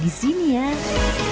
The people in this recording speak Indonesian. bikin seneng bener banget sih